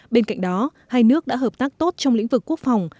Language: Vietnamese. bên cạnh đó hai nước đã hợp tác tốt trong lĩnh vực quốc phòng